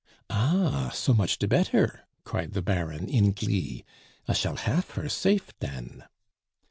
"Ah! so much de better!" cried the Baron in glee. "I shall hafe her safe den."